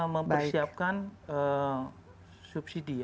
mempersiapkan subsidi ya